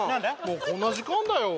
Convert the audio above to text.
もうこんな時間だよ